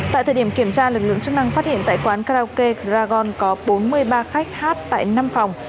tại thời điểm kiểm tra lực lượng chức năng phát hiện tại quán karaoke gragon có bốn mươi ba khách hát tại năm phòng